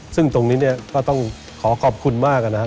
ซึ่งตรงนี้เนี่ยก็ต้องขอขอบคุณมากนะครับ